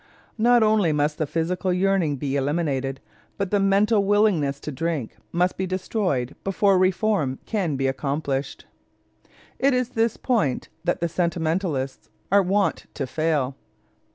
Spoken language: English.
Not only must the physical yearning be eliminated, but the mental willingness to drink must be destroyed before reform can be accomplished. It is at this point that the sentimentalists are wont to fail.